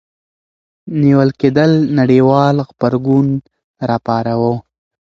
نیول کېدل نړیوال غبرګون راوپاروه.